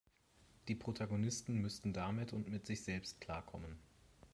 Die Protagonisten müssten damit und mit sich selbst klarkommen.